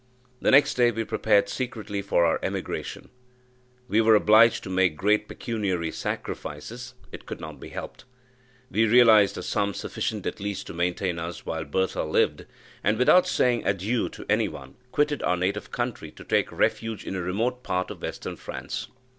The next day we prepared secretly for our emigration. We were obliged to make great pecuniary sacrifices it could not be helped. We realized a sum sufficient, at least, to maintain us while Bertha lived; and, without saying adieu to any one, quitted our native country to take refuge in a remote part of western France.